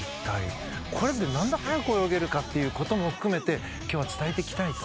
なんで速く泳げるか？っていう事も含めて今日は伝えていきたいと。